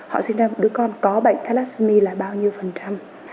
họ sinh ra một đứa con có bệnh thalassomy là bao nhiêu phần trăm